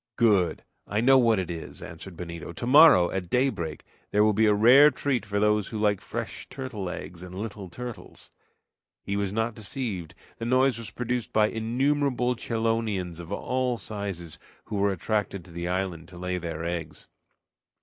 "Good! I know what it is," answered Benito. "Tomorrow, at daybreak, there will be a rare treat for those who like fresh turtle eggs and little turtles!" He was not deceived; the noise was produced by innumerable chelonians of all sizes, who were attracted to the islands to lay their eggs.